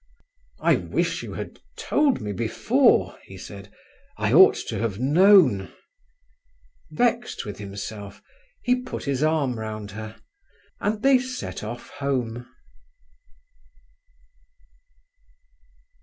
"I wish you had told me before," he said. "I ought to have known…." Vexed with himself, he put his arm round her, and they set off home.